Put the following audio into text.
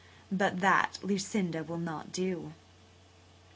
But that Lucinda will not do."